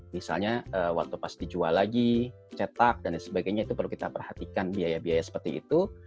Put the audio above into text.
misalnya waktu pas dijual lagi cetak dan sebagainya itu perlu kita perhatikan biaya biaya seperti itu